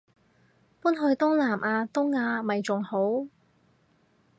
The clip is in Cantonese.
搬去東南亞南亞咪仲好